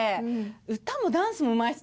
歌もダンスもうまい人たち